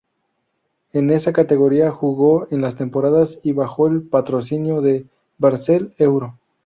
En esa categoría jugó en las temporadas y bajo el patrocinio de Barcel Euro.